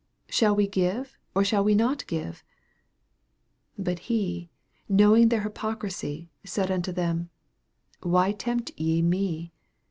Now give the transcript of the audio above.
15 Shall we give or shall we not give ? But he, knowing their hypoc risy, said unto them, Why tempt ye me